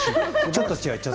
ちょっと強い。